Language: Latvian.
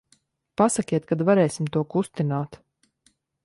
Pasakiet, kad varēsim to kustināt.